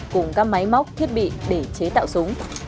cùng các máy móc thiết bị để chế tạo súng